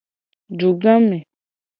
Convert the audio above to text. Dugame.